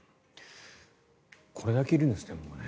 これだけいるんですけどね。